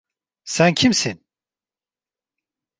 Sen kimsin?